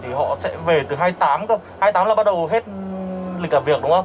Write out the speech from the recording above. thì họ sẽ về từ hai mươi tám cơ hai mươi tám là bắt đầu hết lịch làm việc đúng không